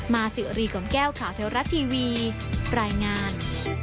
มาสิรีกรมแก้วข่าวเทวรัฐทีวีปรายงาน